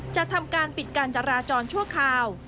จะทำการปิดการจราจรชั่วคราว